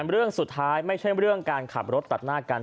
เรื่องสุดท้ายไม่ใช่เรื่องการขับรถตัดหน้ากัน